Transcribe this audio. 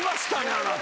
あなた。